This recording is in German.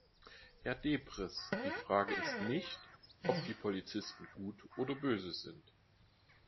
Herr Deprez, die Frage ist nicht, ob die Polizisten gut oder böse sind.